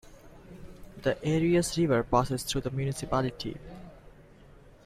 The Areias River passes through the municipality.